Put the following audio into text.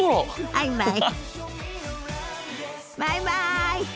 バイバイ！